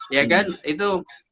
ya kan itu